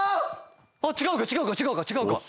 「違うか違うか違うか違うか」